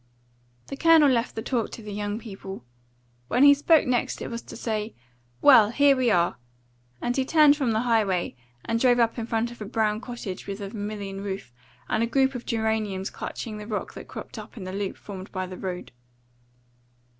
The Colonel left the talk to the young people. When he spoke next it was to say, "Well, here we are!" and he turned from the highway and drove up in front of a brown cottage with a vermilion roof, and a group of geraniums clutching the rock that cropped up in the loop formed by the road.